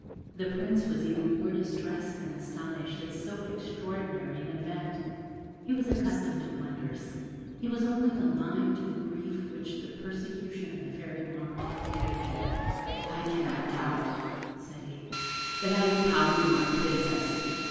The Prince was even more distressed than astonished at so extraordinary an event. He was accustomed to wonders he was only alive to the grief which the persecution of the Fairy Marmotte occasioned him. "I cannot doubt," said he, "that I have pounded my Princess.